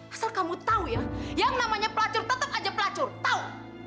asal kamu tahu ya yang namanya pelacur tetap aja pelacur tahu